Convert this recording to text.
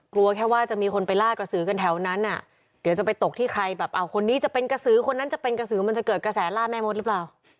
กลัวแค่ว่าจะมีคนไปล่ากระสือกันแถวนั้นอ่ะเดี๋ยวจะไปตกที่ใครแบบเอาคนนี้จะเป็นกระสือคนนั้นจะเป็นกระสือมันจะเกิดกระแสล่าแม่มดหรือเปล่า